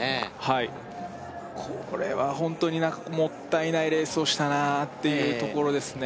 はいこれはホントに何かもったいないレースをしたなっていうところですね